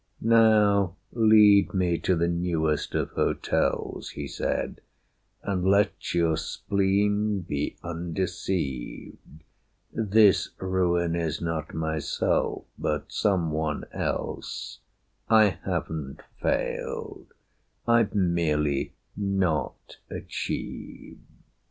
"Now lead me to the newest of hotels," He said, "and let your spleen be undeceived: This ruin is not myself, but some one else; I haven't failed; I've merely not achieved."